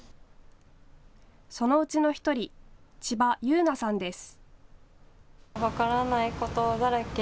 そのうちの１人、千葉悠奈さんです。